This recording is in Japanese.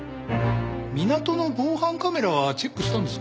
港の防犯カメラはチェックしたんですか？